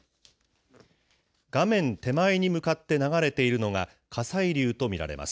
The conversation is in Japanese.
画面手前に向かって流れているのが、火砕流と見られます。